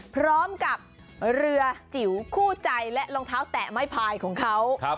พร้อมกับเรือจิ๋วคู่ใจและรองเท้าแตะไม้พายของเขา